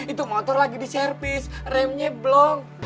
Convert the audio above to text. itu motor lagi di servis remnya belum